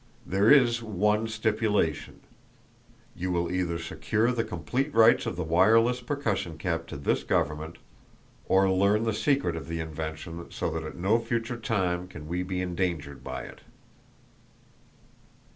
There is one stipulation: You will either secure the complete rights of the wireless percussion cap to this government or learn the secret of the invention so that at no future time can we be endangered by it."